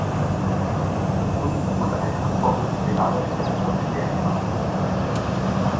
Gefunden wurde eine abbauwürdige Lagerstätte von Schwerspat.